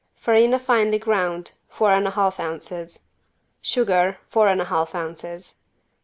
Farina finely ground, four and a half ounces. Sugar, four and a half ounces.